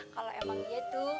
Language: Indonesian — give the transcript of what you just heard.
kalau emang gitu